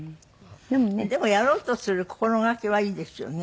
でもやろうとする心がけはいいですよね